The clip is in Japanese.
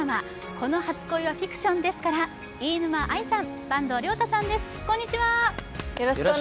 この初恋はフィクションです」から飯沼愛さん、坂東龍太さんです。